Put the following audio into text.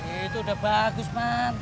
itu udah bagus man